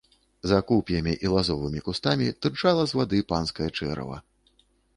За куп'ямі і лазовымі кустамі тырчала з вады панскае чэрава.